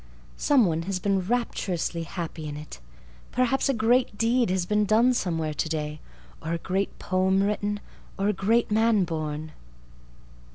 Some one has been rapturously happy in it. Perhaps a great deed has been done somewhere today—or a great poem written—or a great man born.